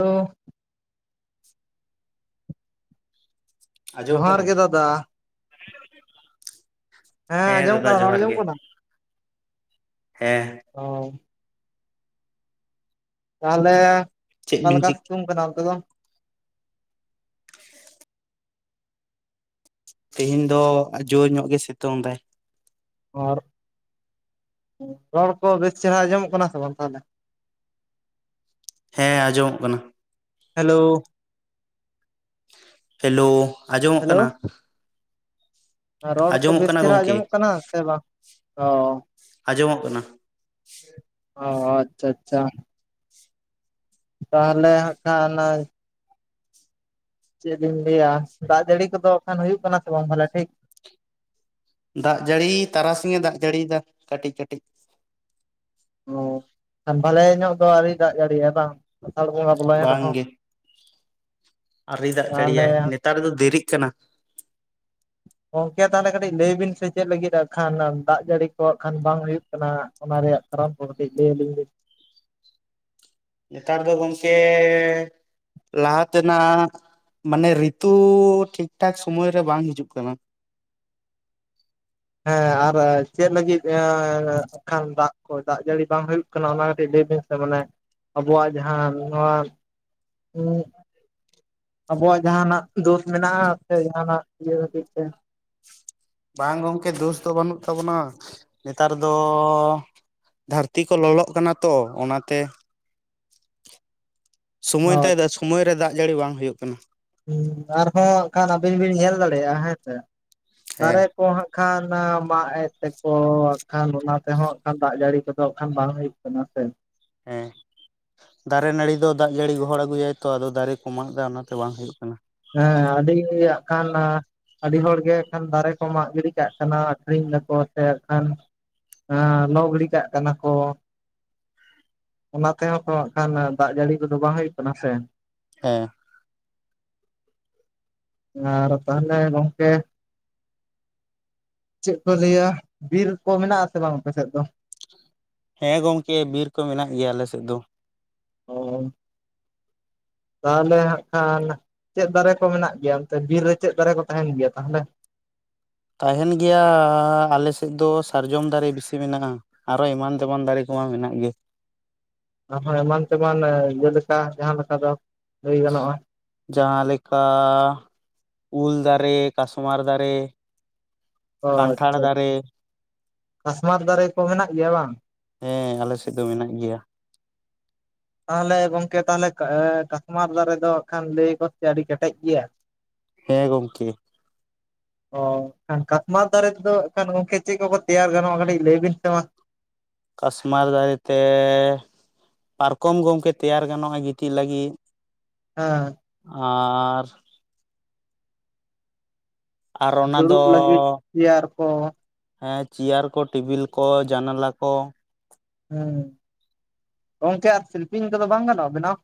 ᱛᱚ [inaudible] ᱟᱸᱡᱚᱢᱚᱜ ᱡᱚᱦᱟᱨ ᱠᱟᱱᱟ ᱜᱮ ᱫᱟᱫᱟ [inaudible] ᱦᱮᱸ ᱟᱸᱡᱚᱢᱚᱜ ᱫᱟᱫᱟ ᱠᱟᱱᱟ ᱨᱚᱲ ᱡᱚᱦᱟᱨ ᱟᱸᱡᱚᱢᱚᱜ ᱜᱮ ᱠᱟᱱᱟ ᱦᱮᱸ ᱚ ᱛᱟᱦᱚᱞᱮ ᱪᱮᱫ ᱵᱤᱱ ᱚᱠᱟᱞᱮᱠᱟ ᱪᱤᱠ ᱥᱤᱛᱩᱝ ᱠᱟᱱᱟ ᱚᱱᱛᱮ ᱫᱚ? ᱛᱮᱦᱤᱧ ᱫᱚ ᱡᱳᱨ ᱧᱚᱜ ᱜᱮ ᱥᱤᱛᱩᱝ ᱫᱟᱭ ᱟᱨ ᱨᱚᱲ ᱠᱚ ᱵᱮᱥ ᱪᱮᱦᱨᱟ ᱟᱸᱡᱚᱢᱚᱜ ᱠᱟᱱᱟ ᱥᱮ ᱵᱟᱝ ᱛᱟᱦᱚᱞᱮ? ᱦᱮᱸ ᱟᱸᱡᱚᱢᱚᱜ ᱠᱟᱱᱟ᱾ ᱦᱮᱞᱳ ᱦᱮᱞᱳ ᱟᱸᱡᱚᱢᱚᱜ ᱦᱮᱞᱳ ᱠᱟᱱᱟ ᱨᱚᱲ ᱠᱚ ᱟᱸᱡᱚᱢᱚᱜ ᱵᱮᱥ ᱠᱟᱱᱟ ᱪᱮᱦᱨᱟ ᱜᱚᱝᱠᱮ ᱟᱸᱡᱚᱢᱚᱜ ᱠᱟᱱᱟ ᱥᱮ ᱵᱟᱝ ᱚ ᱟᱸᱡᱚᱢᱚᱜ ᱠᱟᱱᱟ ᱚ ᱟᱪᱪᱷᱟ ᱟᱪᱪᱷᱟ ᱛᱟᱦᱚᱞᱮ ᱦᱟᱸᱜ ᱠᱷᱟᱱ ᱚᱱᱟ ᱪᱮᱫ ᱤᱧ ᱞᱟᱹᱭᱟ ᱫᱟᱜ ᱡᱟᱹᱲᱤ ᱠᱚᱫᱚ ᱠᱷᱟᱱ ᱦᱩᱭᱩᱜ ᱠᱟᱱᱟ ᱥᱮ ᱵᱟᱝ ᱵᱟᱞᱮ ᱴᱷᱤᱠ ᱫᱟᱜ ᱡᱟᱹᱲᱤ ᱛᱟᱨᱟᱥᱤᱧᱮ ᱫᱟᱜ ᱡᱟᱹᱲᱤᱭᱮᱫᱟ ᱠᱟᱹᱴᱤᱡ ᱠᱟᱹᱴᱤᱡ ᱚ ᱵᱷᱟᱞᱮ ᱧᱚᱜ ᱫᱚ ᱟᱹᱣᱨᱤ ᱫᱟᱜ ᱡᱟᱹᱲᱤᱭᱟᱭ ᱵᱟᱝ ᱟᱥᱟᱲ ᱵᱚᱸᱜᱟ ᱵᱚᱞᱚ ᱮᱱ ᱨᱮᱦᱚᱸ ᱟᱨᱮ ᱫᱟᱜ ᱛᱟᱦᱚᱞᱮ ᱡᱟᱹᱲᱤᱭᱟᱭ ᱱᱮᱛᱟᱨ ᱫᱚ ᱫᱮᱨᱤᱜ ᱠᱟᱱᱟ ᱜᱚᱝᱠᱮ ᱛᱟᱦᱚᱞᱮ ᱠᱟᱹᱴᱤᱡ ᱞᱟᱹᱭ ᱵᱤᱱ ᱥᱮ ᱪᱮᱫ ᱞᱟᱹᱜᱤᱫᱜ ᱠᱷᱟᱱ ᱫᱟᱜ ᱡᱟᱹᱲᱤ ᱠᱚ ᱦᱟᱜ ᱠᱷᱟᱱ ᱵᱟᱝ ᱦᱩᱭᱩᱜ ᱠᱟᱱᱟ ᱚᱱᱟ ᱨᱮᱭᱟᱜ ᱠᱷᱟᱨᱯ ᱠᱚᱛᱮ ᱞᱟᱹᱭ ᱟᱹᱞᱤᱧ ᱵᱤᱱ ᱱᱮᱛᱟᱨ ᱫᱚ ᱜᱚᱝᱠᱮ ᱞᱟᱦᱟ ᱛᱮᱱᱟᱜ ᱢᱟᱱᱮ ᱨᱤᱛᱩ ᱴᱷᱤᱠᱼᱴᱷᱟᱠ ᱥᱚᱢᱚᱭ ᱨᱮ ᱵᱟᱝ ᱦᱤᱡᱩᱜ ᱠᱟᱱᱟ ᱦᱮᱸ ᱟᱨ ᱪᱮᱫ ᱞᱟᱹᱜᱤᱫ ᱠᱷᱟᱱ ᱫᱟᱜ ᱠᱚ ᱫᱟᱜ ᱡᱟᱹᱲᱤ ᱵᱟᱝ ᱦᱩᱭᱩᱜ ᱠᱟᱱᱟ ᱚᱱᱟ ᱠᱟᱹᱴᱤᱡ ᱞᱟᱹᱭ ᱥᱮ ᱢᱟᱱᱮ ᱟᱵᱚᱣᱟᱜ ᱡᱟᱦᱟᱸ ᱱᱚᱣᱟ ᱟᱵᱚᱣᱟᱜ ᱡᱟᱦᱟᱸᱟᱱᱟᱜ ᱫᱳᱥ ᱢᱮᱱᱟᱜᱼᱟ ᱥᱮ ᱡᱟᱦᱟᱱᱟᱜ ᱤᱭᱟᱹ ᱠᱷᱟᱹᱛᱤᱨ ᱛᱮ ᱵᱟᱝ ᱜᱚᱢᱠᱮ ᱫᱳᱥ ᱫᱚ ᱵᱟᱹᱱᱩᱜ ᱛᱟᱵᱚᱱᱟ ᱱᱮᱛᱟᱨ ᱫᱚ ᱫᱟᱹᱨᱛᱤ ᱠᱚ ᱞᱚᱞᱚᱜ ᱠᱟᱱᱟ ᱛᱚ ᱚᱱᱟᱛᱮ ᱥᱚᱢᱚᱭ ᱛᱟᱭ ᱥᱚᱢᱚᱭ ᱨᱮ ᱫᱟᱜ ᱡᱟᱹᱲᱤ ᱵᱟᱝ ᱦᱩᱭᱩᱜ ᱠᱟᱱᱟ ᱦᱮᱸ ᱟᱨᱦᱚᱸ ᱦᱟᱜ ᱠᱷᱟᱱ ᱟᱹᱵᱤᱱ ᱵᱤᱱ ᱧᱮᱞ ᱫᱟᱲᱮᱭᱟᱜᱼᱟ ᱦᱮᱸ ᱥᱮ ᱫᱟᱨᱮ ᱦᱮᱸ ᱠᱚ ᱦᱟᱸᱜ ᱠᱷᱟᱱ ᱠᱷᱟᱱ ᱢᱟᱜ ᱮᱫ ᱛᱮᱠᱚᱜ ᱠᱷᱟᱱ ᱚᱱᱟ ᱛᱮᱦᱚᱸ ᱠᱷᱟᱱ ᱫᱟᱜ ᱡᱟᱹᱲᱤ ᱠᱚᱫᱚ ᱠᱷᱟᱱ ᱵᱟᱝ ᱦᱩᱭᱩᱜ ᱠᱟᱱᱟ ᱥᱮ ᱦᱮᱸ ᱫᱟᱨᱮ ᱱᱟᱹᱲᱤ ᱫᱚ ᱫᱟᱜ ᱡᱟᱹᱲᱤ ᱜᱚᱦᱚᱲ ᱟᱜᱩᱭᱟᱭ ᱛᱚ ᱟᱫᱚ ᱫᱟᱨᱮ ᱠᱚ ᱢᱟᱜ ᱮᱫᱟ ᱚᱱᱟᱛᱮ ᱵᱟᱝ ᱦᱩᱭᱩᱜ ᱠᱟᱱᱟ ᱦᱮᱸ ᱟᱹᱰᱤ ᱟᱜ ᱠᱷᱟᱱ ᱟᱹᱰᱤ ᱦᱚᱲᱜᱮ ᱮᱠᱷᱟᱱ ᱫᱟᱨᱮ ᱠᱚ ᱢᱟᱜ ᱜᱤᱰᱤ ᱠᱟᱜ ᱠᱟᱱᱟ ᱟᱠᱷᱨᱤᱧ ᱫᱟᱠᱚ ᱥᱮ ᱮᱠᱷᱟᱱ ᱦᱮᱸ ᱞᱚᱜᱽ ᱜᱤᱲᱤ ᱠᱟᱜ ᱠᱟᱱᱟ ᱠᱚ ᱚᱱᱟ ᱛᱮᱦᱚᱸ ᱠᱚ ᱠᱷᱟᱱ ᱫᱟᱜ ᱡᱟᱹᱲᱤ ᱠᱚᱫᱚ ᱵᱟᱝ ᱦᱩᱭᱩᱜ ᱠᱟᱱᱟ ᱥᱮ ᱦᱮᱸ ᱟᱨ ᱛᱟᱦᱞᱮ ᱜᱚᱝᱠᱮ ᱪᱮᱫ ᱠᱚ ᱞᱟᱹᱭᱟ ᱵᱤᱨ ᱠᱚ ᱢᱮᱱᱟᱜ ᱟᱥᱮ ᱵᱟᱝ ᱟᱯᱮ ᱥᱮᱫ ᱫᱚ ᱦᱮᱸ ᱜᱚᱢᱠᱮ ᱵᱤᱨ ᱠᱚ ᱢᱮᱱᱟᱜ ᱜᱮᱭᱟ ᱟᱞᱮ ᱥᱮᱫ ᱫᱚ ᱚᱻᱚ ᱛᱟᱦᱚᱞᱮ ᱦᱟᱸᱜ ᱠᱷᱟᱱ ᱪᱮᱫ ᱫᱟᱨᱮ ᱠᱚ ᱢᱮᱱᱟᱜ ᱜᱮᱭᱟ ᱚᱱᱛᱮ ᱵᱤᱨ ᱨᱮ ᱪᱮᱫ ᱫᱟᱨᱮ ᱠᱚ ᱛᱟᱦᱮᱱ ᱜᱮᱭᱟ ᱛᱟᱦᱚᱞᱮ ᱛᱟᱦᱮᱱ ᱜᱮᱭᱟ ᱟᱞᱮ ᱥᱮᱫ ᱫᱚ ᱥᱟᱨᱡᱚᱢ ᱫᱟᱨᱮ ᱵᱮᱥᱤ ᱢᱮᱱᱟᱜᱼᱟ ᱟᱨᱚ ᱮᱢᱟᱱ ᱛᱮᱢᱟᱱ ᱫᱟᱨᱮ ᱠᱚ ᱢᱮᱱᱟᱜ ᱜᱮ ᱟᱨᱦᱚᱸ ᱮᱢᱟᱱ ᱛᱮᱢᱟᱱ ᱡᱮᱞᱮᱠᱟ ᱡᱟᱦᱟᱸ ᱞᱮᱠᱟ ᱫᱚ ᱞᱟᱹᱭ ᱜᱟᱱᱚᱜᱼᱟ ᱡᱟᱦᱟᱸᱞᱮᱠᱟ ᱩᱞ ᱫᱟᱨᱮ ᱫᱟᱨᱮ ᱠᱟᱥᱢᱟᱨ ᱫᱟᱨᱮ ᱚ ᱠᱟᱱᱴᱷᱟᱲ ᱟᱪᱪᱷᱟ ᱫᱟᱨᱮ ᱠᱟᱥᱢᱟᱨ ᱫᱟᱨᱮ ᱠᱚ ᱢᱮᱱᱟᱜ ᱜᱮᱭᱟ ᱵᱟᱝ ᱦᱮᱸ ᱟᱞᱮ ᱥᱮᱫ ᱫᱚ ᱢᱮᱱᱟᱜ ᱜᱮᱭᱟ ᱛᱟᱦᱚᱞᱮ ᱜᱚᱢᱠᱮ ᱛᱟᱦᱚᱞᱮ ᱠᱟᱥᱢᱟᱨ ᱫᱟᱨᱮ ᱫᱚ ᱠᱷᱟᱱ ᱞᱟᱹᱭ ᱠᱚᱫ ᱪᱮ ᱟᱹᱰᱤ ᱠᱮᱴᱮᱡ ᱜᱮᱭᱟ ᱦᱮᱸ ᱜᱚᱢᱠᱮ ᱦᱚᱭ ᱠᱟᱥᱢᱟᱨ ᱫᱟᱨᱮ ᱛᱮᱫᱚ ᱮᱱᱠᱷᱟᱱ ᱜᱚᱝᱠᱮ ᱪᱮᱫ ᱠᱚᱠᱚ ᱛᱮᱭᱟᱨ ᱜᱟᱱᱚᱜᱼᱟ ᱠᱟᱹᱴᱤᱡ ᱞᱟᱹᱭ ᱵᱤᱱ ᱥᱮ ᱵᱟᱝ ᱠᱟᱥᱢᱟᱨ ᱫᱟᱨᱮᱛᱮ ᱯᱟᱨᱠᱚᱢ ᱜᱚᱝᱠᱮ ᱛᱮᱭᱟᱨ ᱜᱟᱱᱚᱜᱼᱟ ᱜᱤᱛᱤᱡ ᱞᱟᱹᱜᱤᱫ ᱦᱮᱸ ᱟᱨ ᱟᱨ ᱚᱱᱟ ᱫᱚ ᱫᱩᱲᱩᱵ ᱞᱟᱹᱜᱤᱫ ᱛᱮᱭᱟᱨ ᱠᱚ ᱦᱮᱸ ᱪᱮᱭᱟᱨ ᱠᱚ ᱴᱮᱵᱤᱞ ᱠᱚ ᱡᱟᱱᱟᱞᱟ ᱠᱚ ᱦᱮᱸ ᱜᱚᱝᱠᱮ ᱟᱨ ᱥᱤᱞᱯᱤᱧ ᱠᱚᱫᱚ ᱵᱟᱝ ᱜᱟᱱᱚᱜᱼᱟ ᱵᱮᱱᱟᱣ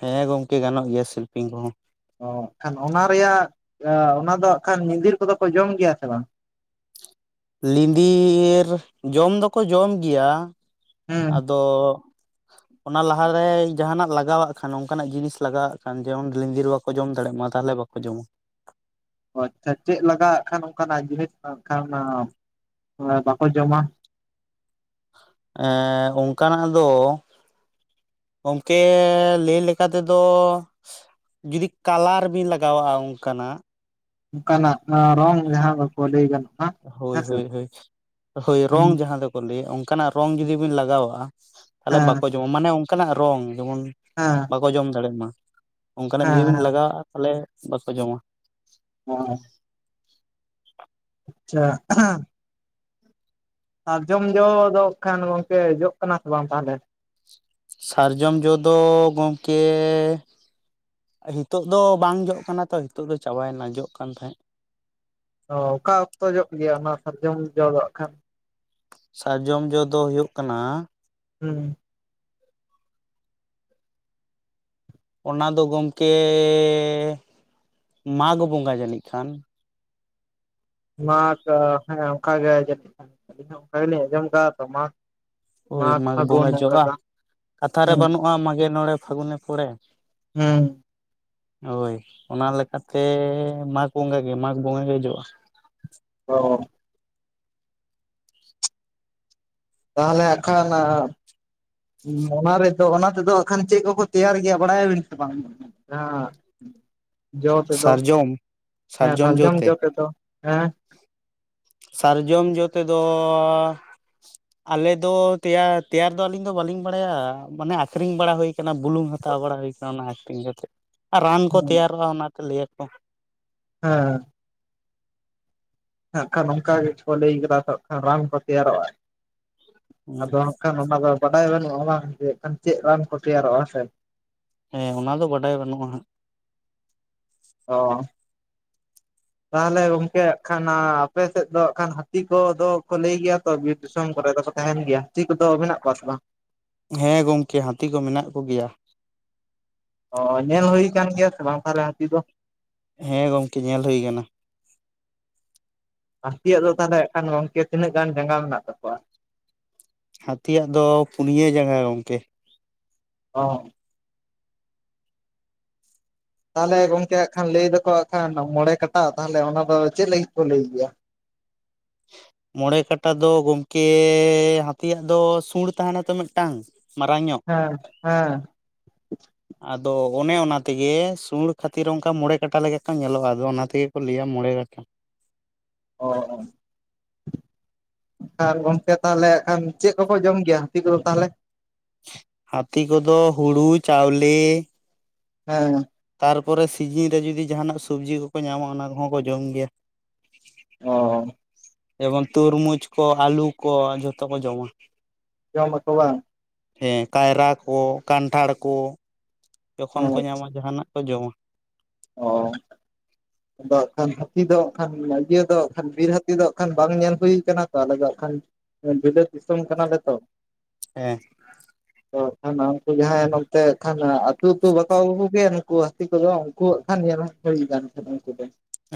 ᱦᱮᱸ ᱜᱚᱝᱠᱮ ᱜᱟᱱᱚᱜ ᱜᱮᱭᱟ ᱥᱮᱞᱯᱤᱝ ᱠᱚᱦᱚᱸ ᱚᱠᱷᱟᱱ ᱚᱱᱟ ᱨᱮᱭᱟᱜ ᱮ ᱚᱱᱟ ᱫᱚ ᱠᱷᱟᱱ ᱧᱤᱫᱤᱨ ᱠᱚᱫᱚ ᱠᱚ ᱡᱚᱢ ᱜᱮᱭᱟ ᱥᱮ ᱵᱟᱝ ᱞᱤᱱᱰᱤᱨ ᱡᱚᱢ ᱫᱚᱠᱚ ᱡᱚᱢ ᱜᱮᱭᱟ ᱦᱮᱸ ᱟᱫᱚ [unintelligible] ᱚ ᱚᱱᱟ ᱞᱟᱦᱟᱨᱮ ᱡᱟᱦᱟᱸᱱᱟᱜ ᱞᱟᱜᱟᱣᱟᱜ ᱠᱷᱟᱱ ᱚᱱᱠᱟᱱᱟᱜ ᱡᱤᱱᱤᱥ ᱞᱟᱜᱟᱣᱟᱜ ᱠᱷᱟᱱ ᱡᱮᱢᱚᱱ ᱞᱤᱫᱤᱨ ᱵᱟᱠᱚ ᱡᱚᱢ ᱫᱟᱲᱮᱮᱜ ᱢᱟ ᱛᱟᱦᱚᱞᱮ ᱵᱟᱠᱚ ᱡᱚᱢᱟ ᱚ ᱟᱪᱪᱷᱟ ᱪᱮᱫ ᱞᱟᱜᱟ ᱟᱜ ᱠᱷᱟᱱ ᱚᱱᱠᱟᱱᱟᱜ ᱡᱤᱱᱤᱥ ᱠᱷᱟ ᱠᱷᱟᱱ ᱟᱢ ᱚᱱᱟ ᱵᱟᱠᱚ ᱡᱚᱢᱟ ᱮᱸ ᱚᱱᱠᱟᱱᱟᱜ ᱫᱚ ᱜᱚᱝᱠᱮ ᱞᱟᱹᱭ ᱞᱮᱠᱟ ᱛᱮᱫᱚ ᱡᱩᱫᱤ ᱠᱟᱞᱟᱨ ᱵᱤᱱ ᱞᱟᱜᱟᱣᱟᱜᱼᱟ ᱚᱱᱠᱟᱱᱟᱜ ᱚᱱᱠᱟᱱᱟᱜ ᱟᱸ ᱨᱚᱝ ᱡᱟᱦᱟᱸ ᱫᱚᱠᱚ ᱞᱟᱹᱭ ᱜᱟᱱᱚᱜ ᱦᱳᱭ ᱦᱳᱭ ᱦᱳᱭ ᱦᱳᱭ ᱦᱮᱸ ᱨᱚᱝ ᱡᱟᱦᱟᱸ ᱫᱚᱠᱚ ᱞᱟᱹᱭᱟ ᱚᱱᱠᱟᱱᱟᱜ ᱨᱚᱝ ᱡᱩᱫᱤ ᱵᱤᱱ ᱞᱟᱜᱟᱣᱟᱜᱼᱟ ᱛᱟᱦᱞᱮ ᱦᱮᱸ ᱵᱟᱠᱚ ᱡᱚᱢᱟ ᱢᱟᱱᱮ ᱚᱱᱠᱟᱱᱟᱜ ᱨᱚᱝ ᱡᱮᱢᱚᱱ ᱦᱮᱸ ᱵᱟᱠᱚ ᱡᱚᱢ ᱫᱟᱲᱮᱭᱟᱜ ᱢᱟ ᱚᱱᱠᱟᱱᱟᱜ ᱦᱮᱸ ᱡᱩᱫᱤ ᱵᱤᱱ ᱞᱟᱜᱟᱣᱼᱟ ᱛᱟᱦᱞᱮ ᱵᱟᱠᱚ ᱡᱚᱢᱟ ᱦᱮᱸ [inaudible] ᱟᱪᱪᱷᱟ [unintelligible] ᱥᱟᱨᱡᱚᱢ ᱡᱚ ᱫᱚ ᱠᱷᱟᱱ ᱜᱚᱢᱠᱮ ᱡᱚᱜ ᱠᱟᱱᱟ ᱥᱮ ᱵᱟᱝ ᱛᱟᱦᱚᱞᱮ ᱥᱟᱨᱡᱚᱢ ᱡᱚ ᱫᱚ ᱜᱚᱢᱠᱮ ᱦᱤᱛᱚᱜ ᱫᱚ ᱵᱟᱝ ᱡᱚᱜ ᱠᱟᱱᱟ ᱛᱚ ᱦᱤᱛᱚᱜ ᱫᱚ ᱪᱟᱵᱟᱭ ᱮᱱᱟ ᱡᱚᱜ ᱠᱟᱱ ᱛᱟᱦᱮᱸᱫ ᱚ ᱚᱠᱟ ᱚᱠᱛᱚ ᱡᱚᱜ ᱜᱮᱭᱟ ᱚᱱᱟ ᱥᱟᱨᱡᱚᱢ ᱡᱚ ᱫᱚ ᱦᱟᱸᱜ ᱠᱷᱟᱱ ᱥᱟᱨᱡᱚᱢ ᱡᱚ ᱫᱚ ᱦᱳᱭᱳᱜ ᱠᱟᱱᱟ ᱦᱮᱸ ᱚᱱᱟ ᱫᱚ ᱜᱚᱢᱠᱮ ᱢᱟᱜᱽ ᱵᱚᱸᱜᱟ ᱡᱟᱹᱱᱤᱡ ᱠᱷᱟᱱ ᱢᱟᱜᱽ ᱦᱮᱸ ᱚᱱᱠᱟ ᱜᱮ ᱡᱟᱹᱱᱤᱡ ᱠᱷᱟᱱ ᱟᱞᱤᱧ ᱦᱚᱸ ᱚᱱᱠᱟ ᱜᱮᱞᱤᱧ ᱟᱸᱡᱚᱢ ᱠᱟᱫᱟ ᱛᱚ ᱢᱟᱜᱽ ᱳᱭ ᱢᱟᱜᱽ ᱯᱷᱟᱹᱜᱩᱱ ᱵᱚᱸᱜᱟ ᱚᱱᱠᱟ ᱡᱚᱜᱼᱟ ᱜᱮ ᱠᱟᱛᱷᱟ ᱨᱮ ᱦᱩᱸ ᱵᱟᱹᱱᱩᱜᱼᱟ ᱢᱟᱜᱽᱮ ᱱᱚᱬᱮ ᱯᱷᱟᱹᱜᱩᱱᱮ ᱯᱚᱲᱮ ᱦᱮᱸ ᱦᱳᱭ ᱚᱱᱟ ᱞᱮᱠᱟᱛᱮ ᱢᱟᱜᱽ ᱵᱚᱸᱜᱟ ᱜᱮ ᱢᱟᱜᱽ ᱵᱚᱸᱜᱟ ᱜᱮ ᱡᱚᱜᱼᱟ ᱚ ᱟᱞᱮ ᱟᱠᱷᱲᱟ ᱨᱮᱱᱟᱜ ᱚᱱᱟ ᱨᱮᱫᱚ ᱚᱱᱟ ᱛᱮᱫᱚ ᱦᱟᱸᱜ ᱠᱷᱟᱱ ᱪᱮᱫ ᱠᱚᱠᱚ ᱛᱮᱭᱟᱨ ᱜᱮᱭᱟ ᱵᱟᱲᱟᱭ ᱟᱵᱤᱱ ᱥᱮ ᱵᱟᱝ? ᱡᱚ ᱛᱮᱫᱚ ᱥᱟᱨᱡᱚᱢ ᱦᱮᱸ ᱥᱟᱨᱡᱚᱢ ᱡᱚ ᱛᱮᱫᱚ ᱦᱮᱸ ᱥᱟᱨᱡᱚᱢ ᱡᱚ ᱛᱮᱫᱚ ᱟᱞᱮ ᱫᱚ ᱛᱮᱭᱟᱨ ᱛᱮᱭᱟᱨ ᱫᱚ ᱟᱞᱤᱧ ᱫᱚ ᱵᱟᱞᱤᱧ ᱵᱟᱲᱟᱭᱟ ᱢᱟᱱᱮ ᱟᱠᱷᱨᱤᱧ ᱵᱟᱲᱟ ᱦᱩᱭ ᱟᱠᱟᱱᱟ ᱵᱩᱞᱩᱝ ᱦᱟᱛᱣ ᱵᱟᱲᱟ ᱦᱩᱭ ᱠᱟᱱᱟ ᱚᱱᱟ ᱮᱠᱴᱤᱝ ᱠᱟᱛᱮ ᱟᱨ ᱨᱟᱱ ᱠᱚ ᱦᱮᱸ ᱛᱮᱭᱟᱨᱚᱜᱼᱟ ᱚᱱᱟ ᱛᱮ ᱞᱟᱹᱭ ᱟᱠᱚ ᱦᱮᱸ ᱦᱟᱸᱜ ᱠᱷᱟᱱ ᱚᱱᱠᱟ ᱜᱮᱪᱚ ᱠᱚ ᱞᱟᱹᱭ ᱠᱟᱫᱟ ᱛᱚ ᱦᱟᱸᱜ ᱠᱷᱟᱱ ᱨᱟᱱ ᱠᱚ ᱛᱮᱭᱟᱨᱚᱜᱼᱟ ᱟᱫᱚ ᱦᱟᱠᱷᱟᱱ ᱚᱱᱟ ᱫᱚ ᱵᱟᱰᱟᱭ ᱵᱟᱹᱱᱩᱜᱼᱟ ᱡᱮᱠᱷᱟᱱ ᱪᱮᱫ ᱨᱟᱱ ᱠᱚ ᱛᱮᱭᱟᱨᱚᱜᱼᱟ ᱥᱮ ᱦᱮᱸ ᱚᱱᱟ ᱫᱚ ᱵᱟᱰᱟᱭ ᱵᱟᱹᱱᱩᱜᱼᱟ᱾ ᱚ [unintelligible] ᱛᱟᱦᱚᱞᱮ ᱜᱚᱝᱠᱮ ᱦᱟᱸᱜ ᱠᱷᱟᱱ ᱟᱯᱮ ᱥᱮᱫ ᱫᱚ ᱦᱟᱸᱜ ᱠᱷᱟᱱ ᱦᱟᱹᱛᱤ ᱠᱚᱫᱚ ᱠᱚ ᱞᱟᱹᱭ ᱜᱮᱭᱟ ᱛᱚ ᱵᱤᱨ ᱫᱤᱥᱚᱢ ᱠᱚᱨᱮ ᱫᱚ ᱛᱟᱦᱮᱱ ᱜᱮᱭᱟ ᱪᱮᱫ ᱠᱚᱫᱚ ᱢᱮᱱᱟᱜ ᱠᱚᱣᱟ ᱥᱮ ᱵᱟᱝ? ᱦᱮᱸ ᱜᱚᱢᱠᱮ ᱦᱟᱹᱛᱤ ᱠᱚ ᱢᱮᱱᱟᱜ ᱠᱚᱜᱮᱭᱟ ᱚ ᱧᱮᱞ ᱦᱩᱭ ᱠᱟᱱ ᱜᱮᱭᱟ ᱥᱮ ᱵᱟᱝ ᱛᱟᱦᱚᱞᱮ ᱦᱟᱹᱛᱤ ᱫᱚ ᱦᱮᱸ ᱜᱚᱢᱠᱮ ᱧᱮᱞ ᱦᱩᱭ ᱟᱠᱟᱱᱟ ᱦᱟᱹᱛᱤᱭᱟᱜ ᱫᱚ ᱛᱟᱦᱚᱞᱮ ᱦᱟᱸᱜ ᱠᱷᱟᱱ ᱜᱚᱝᱠᱮ ᱛᱤᱱᱟᱹᱜ ᱜᱟᱱ ᱡᱟᱸᱜᱟ ᱢᱮᱱᱟᱜ ᱛᱟᱠᱚᱣᱟ? ᱦᱟᱹᱛᱤᱭᱟᱜ ᱫᱚ ᱯᱩᱱᱭᱟᱹ ᱡᱟᱸᱜᱟ ᱜᱚᱢᱠᱮ ᱚ ᱛᱟᱦᱚᱞᱮ ᱜᱚᱢᱠᱮ ᱦᱟᱸᱜ ᱠᱷᱟᱱ ᱞᱟᱹᱭ ᱫᱟᱠᱚ ᱦᱟᱸᱜ ᱠᱷᱟᱱ ᱢᱚᱬᱮ ᱠᱟᱴᱟ ᱛᱟᱦᱚᱞᱮ ᱚᱱᱟ ᱫᱚ ᱪᱮᱫ ᱞᱟᱹᱜᱤᱫ ᱠᱚ ᱞᱟᱹᱭ ᱜᱮᱭᱟ? [unintelligible] ᱢᱚᱬᱮ ᱠᱟᱴᱟ ᱫᱚ ᱜᱚᱢᱠᱮ ᱦᱟᱛᱤᱭᱟᱜ ᱫᱚ ᱥᱩᱬ ᱛᱟᱦᱮᱱᱟ ᱛᱚ ᱢᱤᱫ ᱴᱟᱝ ᱢᱟᱨᱟᱝ ᱧᱚᱜ ᱦᱮᱸ ᱦᱮᱸ ᱟᱫᱚ ᱚᱱᱮ ᱚᱱᱟ ᱛᱮᱜᱮ ᱥᱩᱲ ᱠᱷᱟᱹᱛᱤᱨ ᱚᱱᱠᱟ ᱢᱚᱬᱮ ᱠᱟᱴᱟ ᱞᱮᱠᱟ ᱠᱚ ᱧᱮᱞᱚᱜᱼᱟ ᱟᱫᱚ ᱚᱱᱟ ᱛᱮᱜᱮ ᱠᱚ ᱞᱟᱹᱭᱟ ᱢᱚᱬᱮ ᱠᱟᱴᱟ᱾ [unintelligible] ᱦᱳ [unintelligible] ᱟᱨ ᱜᱚᱝᱠᱮ ᱛᱟᱦᱚᱞᱮ ᱠᱷᱟᱱ ᱪᱮᱫ ᱠᱚᱠᱚ ᱡᱚᱢ ᱜᱮᱭᱟ ᱦᱟᱹᱛᱤ ᱠᱚᱫᱚ ᱛᱟᱦᱚᱞᱮ ᱦᱟᱹᱛᱤ ᱠᱚᱫᱚ ᱦᱩᱲᱩ ᱪᱟᱣᱞᱮ᱾ ᱦᱮᱸ ᱛᱟᱨᱯᱚᱨᱮ ᱥᱤᱡᱤᱱ ᱨᱮ ᱡᱩᱫᱤ ᱡᱟᱦᱟᱱᱟᱜ ᱥᱚᱵᱡᱤ ᱠᱚᱠᱚ ᱧᱟᱢᱟ ᱚᱱᱟ ᱠᱚᱦᱚᱸ ᱠᱚ ᱡᱚᱢ ᱜᱮᱭᱟ᱾ ᱚ ᱡᱮᱢᱚᱱ ᱛᱩᱨᱢᱩᱡᱽ ᱠᱚ ᱟᱹᱞᱩ ᱠᱚ ᱡᱷᱚᱛᱚ ᱠᱚ ᱡᱚᱢᱟ᱾ ᱡᱚᱢ ᱟᱠᱚᱣᱟ ᱦᱮᱸ ᱠᱟᱭᱨᱟ ᱠᱚ ᱠᱟᱱᱴᱷᱟᱲ ᱠᱚ ᱡᱚᱠᱷᱚᱱ ᱚ ᱠᱚ ᱧᱟᱢᱟ ᱡᱟᱦᱟᱱᱟᱜ ᱡᱚᱢᱟ ᱚ ᱟᱫᱚ ᱦᱟᱸᱜ ᱠᱷᱟᱱ ᱦᱟᱹᱛᱤ ᱫᱚ ᱦᱟᱸᱜ ᱠᱷᱟᱱ ᱤᱭᱟᱹ ᱫᱚ ᱦᱟᱸᱜ ᱠᱷᱟᱱ ᱵᱤᱨ ᱦᱟᱹᱛᱤ ᱫᱚ ᱦᱟᱜ ᱠᱷᱟᱱ ᱵᱟᱝ ᱧᱮᱞ ᱦᱩᱭᱩ ᱠᱟᱱᱟ ᱛᱚ ᱟᱞᱮ ᱫᱚ ᱦᱟᱜ ᱠᱷᱟᱱ ᱵᱤᱹᱞᱟᱛ ᱫᱤᱥᱚᱢ ᱠᱟᱱᱟᱞᱮ ᱛᱚ᱾ ᱦᱮᱸ ᱟᱫᱚ ᱦᱟᱸᱜ ᱠᱷᱟᱱ ᱩᱱᱠᱩ ᱡᱟᱦᱟᱸᱭ ᱱᱚᱛᱮ ᱠᱷᱟᱱ ᱟᱹᱛᱩ ᱟᱹᱛᱩ ᱵᱟᱠᱚ ᱟᱹᱜᱩ ᱠᱚᱜᱮᱭᱟ ᱱᱩᱠᱩ ᱦᱟᱹᱛᱤ ᱠᱚᱫᱚ ᱩᱱᱠᱚ ᱦᱟᱜ ᱠᱷᱟᱱ ᱧᱮᱞ ᱦᱩᱭᱼᱠᱟᱱ ᱛᱟᱦᱮ ᱩᱱᱠᱩ ᱫᱚ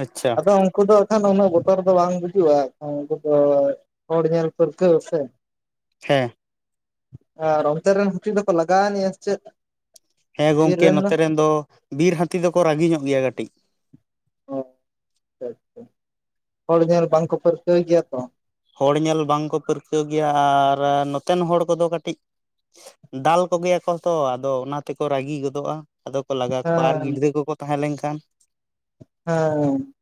ᱟᱪᱪᱷᱟ ᱟᱫᱚ ᱩᱱᱠᱩ ᱫᱚ ᱵᱟᱠᱷᱟᱱ ᱩᱱᱟᱹᱜ ᱵᱚᱛᱚᱨ ᱫᱚ ᱵᱟᱝ ᱵᱩᱡᱩᱜᱼᱟ ᱩᱱᱠᱩ ᱫᱚ ᱦᱚᱲ ᱧᱮᱞ ᱯᱟᱹᱨᱠᱟᱹᱣ ᱥᱮ ᱦᱮᱸ ᱟᱨ ᱚᱱᱛᱮ ᱨᱮᱱ ᱦᱟᱹᱛᱤ ᱫᱚᱠᱚ ᱞᱟᱜᱟᱣ ᱟᱹᱱᱤᱡ ᱟ ᱥᱮ ᱪᱮᱫ? ᱦᱮᱸ ᱜᱚᱢᱠᱮ ᱱᱚᱛᱮ ᱨᱮᱱ ᱫᱚ ᱵᱤᱨ ᱦᱟᱹᱛᱤ ᱫᱚᱠᱚ ᱨᱟᱹᱜᱤ ᱧᱚᱜ ᱜᱮᱭᱟ ᱠᱟᱹᱴᱤᱡ ᱚ ᱟᱪᱪᱷᱟ ᱟᱪᱪᱷᱟ ᱦᱚᱲ ᱧᱮᱞ ᱵᱟᱝᱠᱚ ᱯᱟᱹᱨᱠᱟᱹᱣ ᱜᱮᱭᱟ ᱛᱚ ᱦᱚᱲ ᱧᱮᱞ ᱵᱟᱝᱠᱚ ᱯᱟᱹᱨᱠᱟᱹᱣ ᱜᱮᱭᱟ ᱟᱨ ᱱᱚᱛᱮᱱ ᱦᱚᱲ ᱠᱚᱫᱚ ᱠᱟᱹᱴᱤᱡ ᱫᱟᱞ ᱠᱚᱜᱮᱭᱟᱠᱚ ᱛᱚ ᱟᱫᱚ ᱚᱱᱟ ᱛᱮᱠᱚ ᱨᱟᱹᱜᱤ ᱜᱚᱫᱚᱜᱼᱟ᱾ ᱟᱫᱚ ᱠᱚ ᱞᱟᱜᱟᱣ ᱠᱚᱣᱟ ᱟᱨ ᱜᱤᱫᱽᱨᱟᱹ ᱠᱚᱠᱚ ᱛᱟᱦᱮᱸ ᱞᱮᱱᱠᱷᱟᱱ ᱦᱮᱸ ᱦᱮᱸ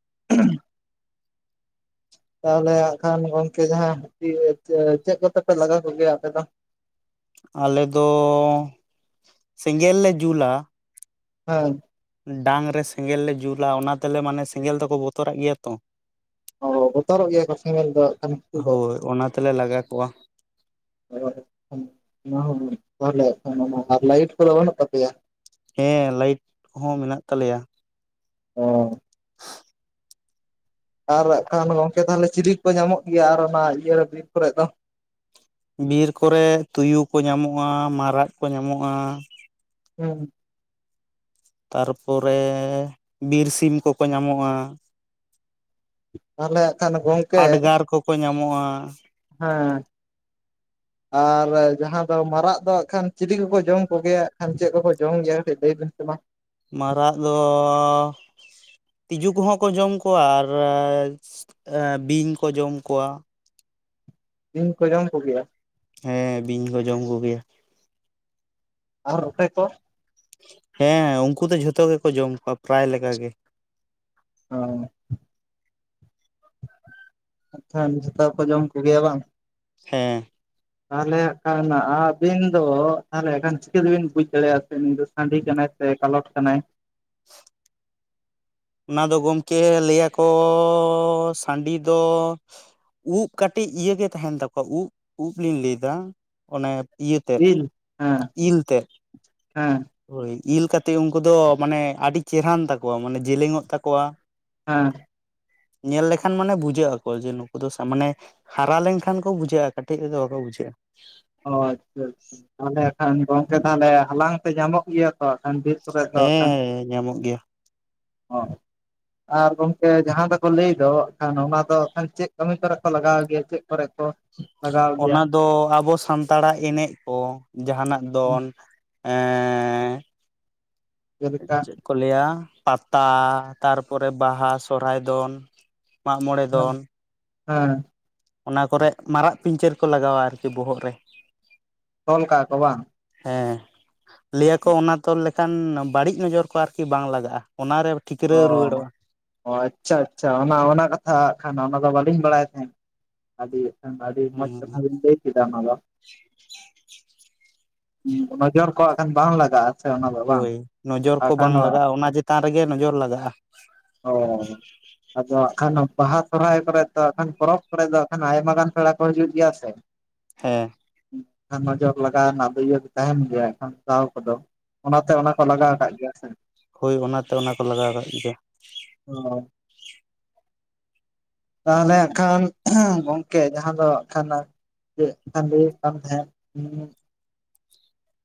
[unintelligible] ᱛᱟᱦᱚᱞᱮ ᱦᱟᱸ ᱠᱷᱟᱱ ᱜᱚᱢᱠᱮ ᱡᱟᱦᱟᱸ ᱦᱟᱹᱛᱤ ᱪᱮᱫ ᱠᱚᱛᱮᱯᱮ ᱞᱟᱜᱟᱣ ᱠᱚᱜᱮᱭᱟ ᱟᱯᱮ ᱫᱚ ᱟᱞᱮ ᱫᱚ ᱥᱮᱸᱜᱮᱞ ᱞᱮ ᱡᱩᱞᱟ᱾ ᱦᱮᱸ ᱰᱟᱝ ᱨᱮ ᱥᱮᱸᱜᱮᱞ ᱞᱮ ᱡᱩᱞᱟ ᱚᱱᱟ ᱛᱮᱞᱮ ᱢᱟᱱᱮ ᱥᱮᱸᱜᱮᱞ ᱫᱚᱠᱚ ᱵᱚᱛᱚᱨᱟᱜ ᱜᱮᱭᱟ ᱛᱚ᱾ ᱚ ᱵᱚᱛᱚᱨᱚᱜ ᱜᱮᱭᱟ ᱠᱚ ᱥᱮᱸᱜᱮᱞ ᱫᱚ ᱟᱜᱠᱷᱟᱱ ᱦᱟᱹᱛᱤ ᱫᱚ ᱦᱳᱭ ᱚᱱᱟ ᱛᱮᱞᱮ ᱞᱟᱜᱟ ᱠᱚᱣᱟ [unintelligible] ᱚᱱᱟ ᱢᱟ ᱟᱨ ᱞᱟᱭᱤᱴ ᱠᱚ ᱫᱚ ᱵᱟᱱᱩᱜ ᱛᱟᱯᱮᱭᱟ ᱦᱮᱸ ᱞᱟᱭᱤᱴ ᱠᱚ ᱦᱚᱸ ᱢᱮᱱᱟᱜ ᱛᱟᱞᱮᱭᱟ᱾ ᱚ ᱟᱨ ᱦᱟᱜ ᱠᱷᱟᱱ ᱜᱚᱢᱠᱮ ᱛᱟᱦᱚᱞᱮ ᱪᱤᱞᱤ ᱠᱚ ᱧᱟᱢᱚᱜ ᱜᱮᱭᱟ ᱟᱨ ᱚᱱᱟ ᱤᱭᱟᱹ ᱨᱮ ᱵᱤᱨ ᱠᱚᱨᱮ ᱫᱚ? ᱵᱤᱨ ᱠᱚᱨᱮ ᱛᱩᱭᱩ ᱠᱚ ᱧᱟᱢᱚᱜᱼᱟ ᱢᱟᱨᱟᱜ ᱠᱚ ᱧᱟᱢᱚᱜᱼᱟ᱾ ᱦᱮᱸ ᱛᱟᱨᱯᱚᱨᱮ ᱵᱤᱨ ᱥᱤᱢ ᱠᱚᱠᱚ ᱧᱟᱢᱚᱜᱼᱟ᱾ ᱛᱟᱦᱞᱮ ᱦᱟᱸᱜ ᱠᱷᱟᱱ ᱜᱚᱢᱠᱮ ᱦᱟᱰᱜᱟᱨ ᱠᱚᱠᱚ ᱧᱟᱢᱚᱜᱼᱟ ᱦᱮᱸ ᱟᱨ ᱡᱟᱦᱟᱸ ᱫᱚ ᱢᱟᱨᱟᱜ ᱫᱚ ᱦᱟᱜ ᱠᱷᱟᱱ ᱟᱨ ᱪᱤᱞᱤ ᱠᱚᱠᱚ ᱡᱚᱢ ᱠᱚᱜᱮᱭᱟᱜ ᱠᱷᱟᱱ ᱪᱮᱫ ᱠᱚᱠᱚ ᱡᱚᱢ ᱜᱮᱭᱟ ᱠᱟᱹᱴᱤᱡ ᱞᱟᱹᱭ ᱵᱮᱱ ᱥᱮ ᱢᱟ ᱢᱟᱨᱟᱜ ᱫᱚ ᱛᱤᱸᱡᱩ ᱠᱚᱦᱚᱸ ᱠᱚ ᱡᱚᱢ ᱠᱚᱣᱟ ᱟᱨ ᱵᱤᱧ ᱠᱚ ᱡᱚᱢ ᱠᱚᱣᱟ᱾ ᱵᱤᱧ ᱠᱚ ᱡᱚᱢ ᱠᱚᱜᱮᱭᱟ? ᱦᱮᱸ ᱵᱤᱧ ᱠᱚ ᱡᱚᱢ ᱠᱚᱜᱮᱭᱟ᱾ ᱟᱨ ᱟᱯᱮ ᱠᱚ? ᱦᱮᱸ ᱩᱝᱠᱩ ᱫᱚ ᱡᱷᱚᱛᱚ ᱜᱮᱠᱚ ᱡᱚᱢ ᱠᱚᱣᱟ ᱯᱨᱟᱭ ᱞᱮᱠᱟ ᱜᱮ ᱟᱸ ᱟᱪᱪᱷᱟ ᱥᱮᱛᱟ ᱠᱚ ᱡᱚᱢ ᱠᱚᱜᱮᱭᱼᱟ ᱵᱟᱝ? ᱦᱮᱸ ᱛᱟᱦᱚᱞᱮ ᱦᱟᱸᱜ ᱠᱷᱟᱱ ᱟᱹᱵᱤᱱ ᱫᱚ ᱛᱟᱦᱟᱞᱮ ᱮᱠᱷᱟᱱ ᱪᱤᱠᱟᱹ ᱛᱮᱵᱤᱱ ᱵᱩᱡ ᱫᱟᱲᱮᱭᱟᱜᱼᱟ ᱥᱮ ᱱᱩᱭ ᱫᱚ ᱥᱟᱺᱰᱤ ᱠᱟᱱᱟᱭ ᱦᱟᱜᱼᱠᱷᱟᱱ? ᱥᱮ ᱠᱟᱞᱚᱴ ᱠᱟᱱᱟᱭ ᱠᱚ ᱥᱟᱺᱰᱤ ᱫᱚ ᱩᱵ ᱠᱟᱹᱴᱤᱡ ᱤᱭᱟᱹ ᱜᱮ ᱛᱟᱦᱮᱱ ᱛᱟᱠᱚᱣᱟ ᱩᱵ ᱩᱵ ᱤᱧ ᱞᱟᱹᱭ ᱫᱟ ᱚᱱᱮ ᱤᱭᱟᱹ ᱛᱮᱫ ᱤᱞ ᱦᱮᱸ ᱤᱞ ᱛᱮᱫ ᱦᱮᱸ ᱦᱳᱭ ᱤᱞ ᱠᱟᱛᱮᱫ ᱩᱱᱠᱩ ᱫᱚ ᱢᱟᱱᱮ ᱟᱹᱰᱤ ᱪᱮᱨᱦᱟᱱ ᱛᱟᱠᱚᱣᱟ ᱢᱟᱱᱮ ᱡᱮᱞᱮᱧᱼᱚᱜ ᱛᱟᱠᱚᱣᱟ ᱦᱮᱸ ᱧᱮᱞ ᱞᱮᱠᱷᱟᱱ ᱢᱟᱱᱮ ᱵᱩᱡᱷᱟᱹᱜ ᱟᱠᱚ ᱡᱮ ᱱᱩᱠᱩ ᱫᱚ ᱢᱟᱱᱮ ᱦᱟᱨᱟ ᱞᱮᱱᱼᱠᱷᱟᱱ ᱠᱚ ᱵᱩᱡᱷᱟᱹᱜᱼᱟ ᱠᱟᱹᱴᱤᱡ ᱨᱮᱫᱚ ᱵᱟᱠᱚ ᱵᱩᱡᱷᱟᱹᱜᱼᱟ ᱚ ᱟᱪᱪᱷᱟ ᱟᱪᱪᱷᱟ ᱛᱟᱦᱚᱞᱮ ᱠᱷᱟᱱ ᱜᱚᱝᱠᱮ ᱛᱟᱦᱚᱞᱮ ᱦᱟᱞᱟᱝ ᱛᱮ ᱧᱟᱢᱚᱜ ᱜᱮᱭᱟ ᱛᱚ ᱦᱟᱜ ᱠᱷᱟᱱ ᱵᱤᱨ ᱠᱚᱨᱮ ᱫᱚ ᱦᱟᱜ ᱠᱷᱟᱱ ᱦᱮᱸ ᱧᱟᱢᱚᱜ ᱜᱮᱭᱟ ᱚ ᱟᱨ ᱜᱚᱢᱠᱮ ᱡᱟᱦᱟᱸ ᱫᱚᱠᱚ ᱞᱟᱹᱭ ᱫᱚ ᱦᱟᱸᱜ ᱠᱷᱟᱱ ᱚᱱᱟ ᱫᱚ ᱮᱠᱷᱟᱱ ᱪᱮᱫ ᱠᱟᱹᱢᱤ ᱠᱚᱨᱮ ᱠᱚ ᱞᱟᱜᱟᱣ ᱜᱮᱭᱟ ᱪᱮᱫ ᱠᱚᱨᱮ ᱠᱚ ᱞᱟᱜᱟᱣ ᱜᱮᱭᱟ ᱚᱱᱟ ᱫᱚ ᱟᱵᱚ ᱥᱟᱱᱛᱟᱲᱟᱜ ᱮᱱᱮᱡ ᱠᱚ ᱡᱟᱦᱟᱱᱟᱜ ᱫᱚᱱ ᱮ ᱡᱮᱞᱮᱠᱟ ᱪᱮᱫ ᱠᱚ ᱞᱟᱹᱭᱟ ᱯᱟᱛᱟ ᱛᱟᱨ ᱯᱚᱨᱮ ᱵᱟᱦᱟ, ᱥᱚᱨᱦᱟᱭ ᱫᱚᱱ, ᱢᱟᱜ ᱢᱚᱬᱮ ᱫᱚᱱ ᱾ ᱦᱮᱸ ᱚᱱᱟ ᱠᱚᱨᱮ ᱢᱟᱨᱟᱜ ᱯᱤᱧᱪᱟᱹᱨ ᱠᱚ ᱞᱟᱜᱟᱣᱼᱟ ᱟᱨᱼᱠᱤ ᱵᱚᱦᱚᱜ ᱨᱮ ᱛᱚᱞ ᱠᱟᱜᱼᱟ ᱠᱚ ᱵᱟᱝ? ᱦᱮᱸ ᱞᱟᱹᱭ ᱟᱠᱚ ᱚᱱᱟ ᱛᱚᱞ ᱞᱮᱠᱷᱟᱱ ᱵᱟᱹᱲᱤᱡ ᱱᱚᱡᱚᱨ ᱠᱚ ᱟᱨᱠᱤ ᱵᱟᱝ ᱞᱟᱜᱟᱜᱼᱟ ᱚᱱᱟᱨᱮ ᱚ ᱴᱷᱤᱠᱨᱟᱹ ᱨᱩᱣᱟᱹᱲᱚᱜᱼᱟ ᱟᱪᱪᱷᱟ ᱟᱪᱪᱷᱟ ᱚᱱᱟ ᱚᱱᱟ ᱠᱟᱛᱷᱟ ᱠᱷᱟᱱ ᱚᱱᱟ ᱫᱚ ᱵᱟᱹᱞᱤᱧ ᱵᱟᱲᱟᱭ ᱛᱟᱦᱮᱸᱱ ᱟᱹᱰᱤ ᱮᱱᱠᱷᱟᱱ ᱟᱹᱰᱤ ᱢᱚᱡᱽ ᱦᱩᱸ ᱠᱟᱛᱷᱟ ᱵᱤᱱ ᱞᱟᱹᱭ ᱠᱮᱫᱟ ᱚᱱᱟ ᱫᱚ ᱱᱚᱡᱚᱨ ᱠᱚ ᱦᱟᱸᱜ ᱠᱷᱟᱱ ᱵᱟᱝ ᱞᱟᱜᱟᱜᱼᱟ ᱥᱮ ᱚᱱᱟ ᱫᱚ ᱵᱟᱝ ᱦᱳᱭ ᱱᱚᱡᱚᱨ ᱠᱚ ᱟᱠᱷᱟᱱ ᱵᱟᱝ ᱞᱟᱜᱟᱜᱼᱟ, ᱚᱱᱟ ᱪᱮᱛᱟᱱ ᱨᱮᱜᱮ ᱱᱚᱡᱚᱨ ᱞᱟᱜᱟᱜᱼᱟ ᱚ ᱟᱫᱚ ᱦᱟᱸᱜ ᱠᱷᱟᱱ ᱵᱟᱦᱟ ᱥᱚᱨᱦᱟᱭ ᱠᱚᱨᱮ ᱫᱚ ᱮᱱᱠᱷᱟᱱ ᱯᱚᱨᱚᱵᱽ ᱠᱚᱨᱮ ᱫᱚ ᱮᱱᱠᱷᱟᱱ ᱟᱭᱢᱟ ᱜᱟᱱ ᱯᱮᱲᱟ ᱠᱚ ᱦᱤᱡᱩᱜ ᱜᱮᱭᱟ ᱥᱮ ᱦᱮᱸ ᱱᱚᱡᱚᱨ ᱞᱟᱜᱟᱣ ᱨᱮᱱᱟᱜ ᱫᱟᱹᱭᱟᱹ ᱫᱚ ᱛᱟᱦᱮᱱ ᱜᱮᱭᱟ ᱮᱱᱠᱷᱟᱱ ᱫᱟᱣ ᱠᱚᱫᱚ ᱚᱱᱟ ᱠᱚ ᱞᱟᱜᱟᱣ ᱠᱟᱜ ᱜᱮᱭᱟ ᱥᱮ ᱦᱳᱭ ᱚᱱᱟᱛᱮ ᱚᱱᱟ ᱠᱚ ᱞᱟᱜᱟᱣ ᱠᱟᱜ ᱜᱮᱪᱚ ᱚ ᱛᱟᱦᱟᱞᱮ ᱦᱟᱸᱜ ᱠᱷᱟᱱ ᱜᱚᱝᱼᱠᱮ ᱡᱟᱦᱟᱸ ᱫᱚ ᱦᱟᱸᱜ ᱠᱷᱟᱱ ᱪᱮᱫ [unintelligible] ᱞᱟᱹᱭᱮᱫ ᱠᱟᱱ ᱛᱟᱸᱦᱮᱫ [unintelligible]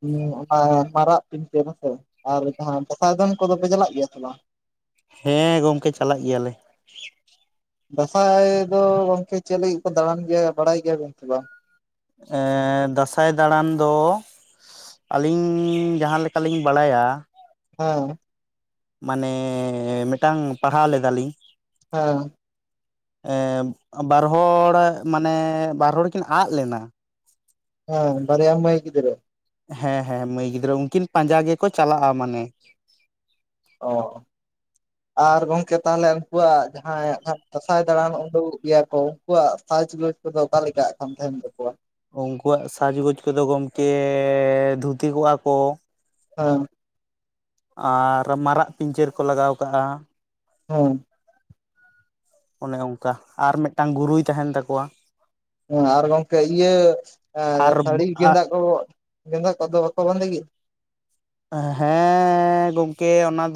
ᱦᱩ ᱚᱱᱟ ᱢᱟᱨᱟᱜ ᱯᱤᱱᱪᱟᱹᱨ ᱦᱮᱥᱮ ᱟᱨ ᱡᱟᱦᱟᱸ ᱫᱟᱸᱥᱟᱭ ᱫᱚᱱ ᱠᱚᱫᱚ ᱯᱮ ᱪᱟᱞᱟᱜ ᱜᱮᱭᱟ ᱥᱮ ᱵᱟᱝ? ᱦᱮᱸ ᱜᱚᱢᱠᱮ ᱪᱟᱞᱟᱜ ᱜᱮᱭᱟᱞᱮ ᱫᱟᱥᱟᱭ ᱫᱚ ᱜᱚᱝᱠᱮ ᱪᱮᱫ ᱞᱟᱹᱜᱤᱫ ᱠᱚ ᱫᱟᱬᱟᱱ ᱜᱮᱭᱟ ᱵᱟᱲᱟᱭ ᱜᱮᱭᱟ ᱵᱮᱱ ᱥᱮ ᱵᱟᱝ? ᱮᱸᱻᱻ ᱫᱟᱸᱥᱟᱭ ᱫᱟᱬᱟᱱ ᱫᱚ ᱟᱹᱞᱤᱧ ᱡᱟᱦᱟᱸ ᱞᱮᱠᱟ ᱞᱤᱧ ᱵᱟᱲᱟᱭᱼᱟ ᱦᱮᱸ ᱢᱟᱱᱮ ᱢᱮᱴᱟᱝ ᱯᱟᱲᱦᱟᱣ ᱞᱮᱫᱟ ᱞᱤᱧ ᱦᱮᱸ ᱾ ᱵᱟᱨ ᱦᱚᱲ ᱢᱟᱱᱮ ᱵᱟᱨ ᱦᱚᱲ ᱠᱤᱱ ᱟᱫ ᱞᱮᱱᱟ ᱦᱮᱸ ᱵᱟᱨᱭᱟ ᱢᱟᱹᱭ ᱜᱤᱫᱽᱨᱟᱹ ᱦᱮᱸ ᱦᱮᱸ ᱢᱟᱹᱭ ᱜᱤᱫᱽᱨᱟᱹ ᱩᱱᱠᱤᱱ ᱯᱟᱸᱡᱟ ᱜᱮᱠᱚ ᱪᱟᱞᱟᱜᱼᱟ ᱢᱟᱱᱮ ᱚ ᱟᱨ ᱜᱚᱝᱼᱠᱮ ᱛᱟᱦᱞᱮ ᱩᱱᱠᱩᱣᱟᱜ ᱡᱟᱦᱟᱸᱭ ᱫᱟᱸᱥᱟᱭ ᱫᱟᱬᱟᱱ ᱩᱰᱩᱠ ᱜᱮᱭᱟ ᱠᱚ ᱩᱱᱠᱩᱣᱟᱜ ᱯᱪ ᱜ ᱠᱚᱫᱚ ᱚᱠᱟᱮᱠᱟᱜ ᱠᱟᱱ ᱛᱟᱦᱮᱱ ᱛᱟᱠᱚᱣᱟ [inaudible] ᱩᱱᱠᱩᱣᱟᱜ ᱥᱟᱡᱽᱜᱚᱡᱽ ᱠᱚᱫᱚ ᱜᱚᱢᱠᱮ ᱫᱷᱩᱛᱤ ᱠᱚᱜᱼᱟ ᱠᱚ᱾ ᱦᱮᱸ [inaudible] ᱟᱨ ᱢᱟᱨᱟᱜ ᱯᱤᱧᱪᱟᱹᱨ ᱠᱚ ᱞᱟᱜᱟᱣ ᱠᱟᱜᱼᱟ᱾ ᱦᱮᱸ ᱚᱱᱮ ᱚᱱᱠᱟ ᱟᱨ ᱢᱤᱫᱴᱟᱱ ᱜᱩᱨᱩᱭ ᱛᱟᱦᱮᱱ ᱛᱟᱠᱚᱣᱟ᱾ ᱦᱮᱸ ᱟᱨ ᱜᱚᱢᱠᱮ ᱤᱭᱟᱹ ᱟᱨ ᱥᱟᱹᱲᱤ ᱜᱮᱸᱫᱟᱜ ᱠᱚ᱾ ᱜᱮᱫᱟᱹᱜ ᱠᱚ ᱫᱚ ᱵᱟᱠᱳ ᱵᱟᱸᱫᱮ ᱜᱮᱭᱟ? ᱦᱮᱸ ᱜᱚᱝᱠᱮ ᱚᱱᱟ ᱫᱚ